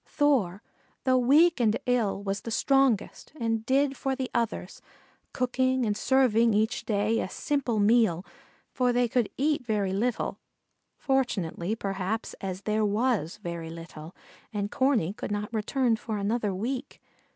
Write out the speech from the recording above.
Thor, though weak and ill, was the strongest and did for the others, cooking and serving each day a simple meal, for they could eat very little, fortunately, perhaps, as there was very little, and Corney could not return for another week.